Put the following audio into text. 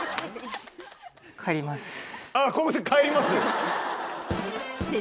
ここで帰ります？